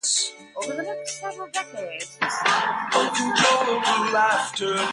Over the next several decades the society's collections grew.